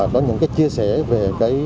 có những chia sẻ về